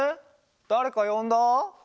だれかよんだ？